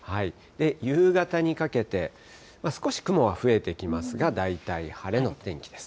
夕方にかけて、少し雲は増えてきますが、大体晴れの天気です。